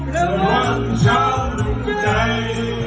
ระหว่างเช้าหนุ่มใจ